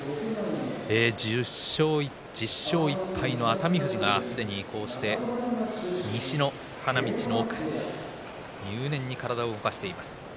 １０勝１敗の熱海富士がすでに、こうして西の花道の奥入念に体を動かしています。